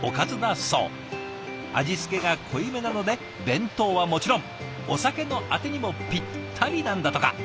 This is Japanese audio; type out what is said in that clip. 味付けが濃いめなので弁当はもちろんお酒のあてにもピッタリなんだとか。